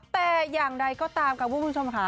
แต่อย่างใดก็ตามกับผู้ชมค่ะ